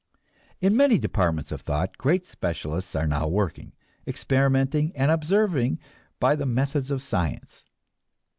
In many departments of thought great specialists are now working, experimenting and observing by the methods of science.